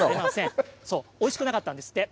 美味しくなかったんですって。